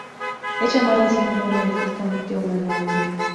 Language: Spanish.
Es llamado así en honor del artista Mateo Manaure.